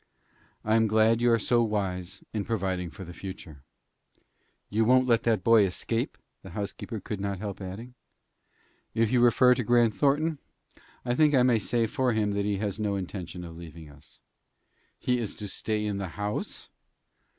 "I am glad you are so wise in providing for the future." "You won't let that boy escape?" the housekeeper could not help adding. "If you refer to Grant Thornton, I think I may say for him that he has no intention of leaving us." "Is he to stay in the house?"